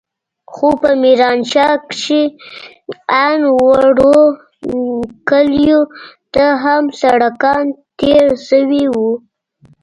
خو په ميرانشاه کښې ان وړو کليو ته هم سړکان تېر سوي وو.